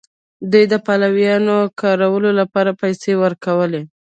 دوی د پلونو کارولو لپاره پیسې ورکولې.